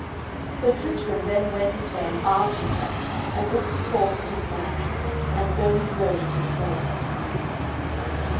Sir Tristram then went his way and armed himself, and took his horse and his man, and so he rode into the forest.